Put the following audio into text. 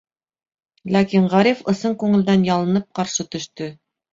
Ләкин Ғариф ысын күңелдән ялынып ҡаршы төштө.